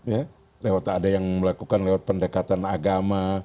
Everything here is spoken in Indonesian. ya lewat ada yang melakukan lewat pendekatan agama